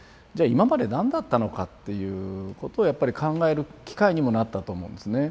今まで何だったのかっていうことをやっぱり考える機会にもなったと思うんですね。